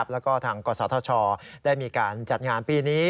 แล้วก็ทางกษัตริย์ธรรมชาวได้มีการจัดงานปีนี้